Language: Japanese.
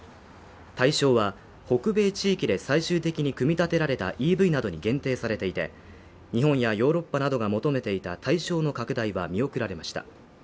対象は、北米地域で最終的に組み立てられたＥＶなどに限定されていて日本やヨーロッパなどが求めていた対象の拡大は見送られました。